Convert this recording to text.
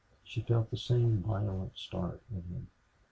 She felt the same violent start in him.